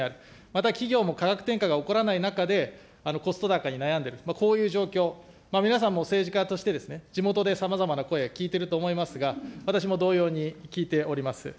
また企業も価格転嫁が起こらない中でコスト高に悩んでいる、こういう状況、皆さんも政治家として、地元でさまざまな声聞いてると思いますが、私も同様に聞いております。